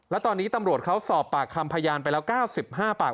และตอนนี้ตำรวจเขาสอบปากคำพยานไปแล้ว๙๕ปาก